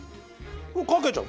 もうかけちゃう？